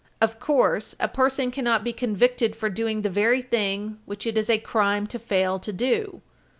Of course, a person cannot be convicted for doing the very thing which it is a crime to fail to do.